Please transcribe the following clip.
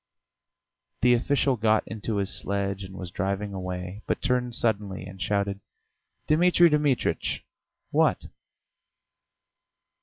The official got into his sledge and was driving away, but turned suddenly and shouted: "Dmitri Dmitritch!" "What?"